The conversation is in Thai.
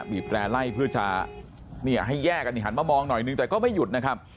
แปรไล่เพื่อจะให้แยกกันหันมามองหน่อยนึงแต่ก็ไม่หยุดนะครับ